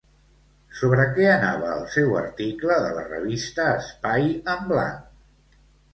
Sobre què anava el seu article de la revista Espai en Blanc?